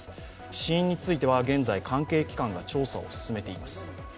死因については現在、関係機関が調査を進めています。